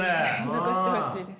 残してほしいです。